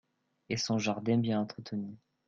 Et son jardin bien entretenu.